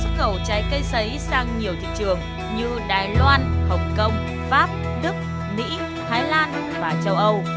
xuất khẩu trái cây sấy sang nhiều thị trường như đài loan hồng kông pháp đức mỹ thái lan và châu âu